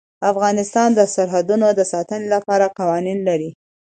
افغانستان د سرحدونه د ساتنې لپاره قوانین لري.